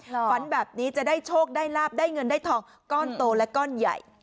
ฝันแบบนี้จะได้โชคได้ลาบได้เงินได้ทองก้อนโตและก้อนใหญ่